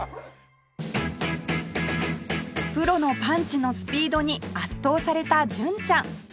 プロのパンチのスピードに圧倒された純ちゃん